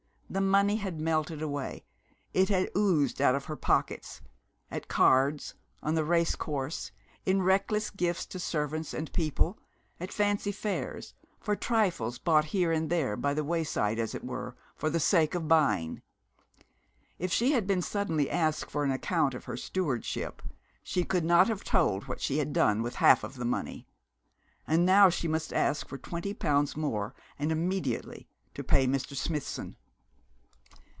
The money had melted away it had oozed out of her pockets at cards, on the race course, in reckless gifts to servants and people, at fancy fairs, for trifles bought here and there by the way side, as it were, for the sake of buying. If she had been suddenly asked for an account of her stewardship she could not have told what she had done with half of the money. And now she must ask for twenty pounds more, and immediately, to pay Mr. Smithson.